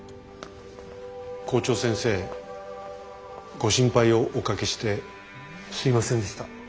校長先生ご心配をおかけしてすいませんでした。